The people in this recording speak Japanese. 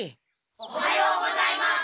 おはようございます。